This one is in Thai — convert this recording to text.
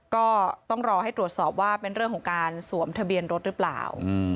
ก็ต้องรอให้ตรวจสอบว่าเป็นเรื่องของการสวมทะเบียนรถหรือเปล่า